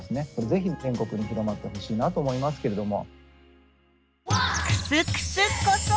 ぜひ全国に広まってほしいなと思いますけれども。